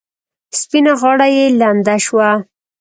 سپینه غاړه یې لنده شوه.